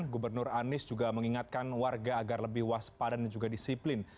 gubernur anies juga mengingatkan warga agar lebih waspada dan juga disiplin